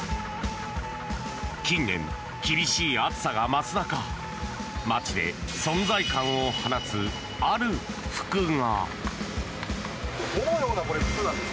近年、厳しい暑さが増す中街で存在感を放つ、ある服が。